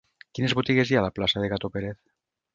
Quines botigues hi ha a la plaça de Gato Pérez?